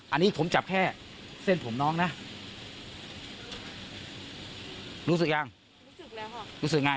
อันนี้ผมจับแค่เส้นผมน้องนะรู้สึกยังรู้สึกแล้วค่ะรู้สึกไง